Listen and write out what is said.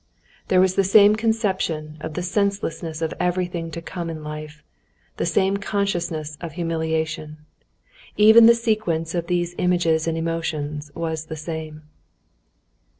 There was the same conception of the senselessness of everything to come in life, the same consciousness of humiliation. Even the sequence of these images and emotions was the same.